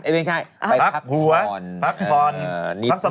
ไม่ใช่ไปพักหัวพักผ่อน